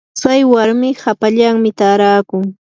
tsay warmi hapallanmi taarakun.